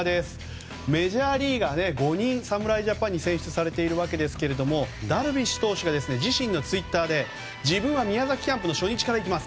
メジャーリーガー５人侍ジャパンに選出されているわけですがダルビッシュ投手が自身のツイッターで自分は宮崎キャンプの初日から行きます。